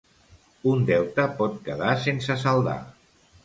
Un deute pot quedar sense saldar.